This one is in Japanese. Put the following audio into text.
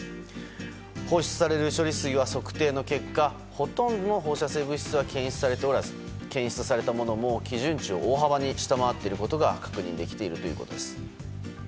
放出される処理水は測定の結果ほとんど放射性物質は検出されておらず検出されたものも基準値を大幅に下回っていることが確認できているということです。